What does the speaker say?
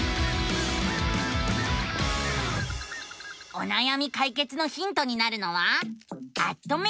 おなやみ解決のヒントになるのは「アッ！とメディア」。